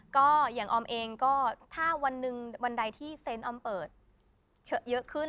ก็อย่างออมเองก็ถ้าวันหนึ่งวันใดที่เซนต์ออมเปิดเยอะขึ้น